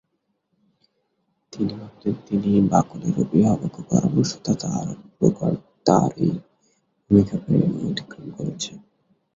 তিনি ভাবতেন তিনিই বাকলের অভিভাবক ও পরামর্শদাতা, আর বোগার্ট তাঁর এই ভূমিকাকে অতিক্রমণ করছে।